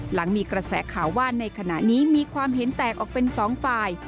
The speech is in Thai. หลังมีกระแสข่าวว่าในขณะนี้มีความเห็นแตกออกเป็น๒ฝ่าย